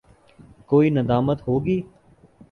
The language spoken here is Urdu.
کوئی ندامت ہو گی؟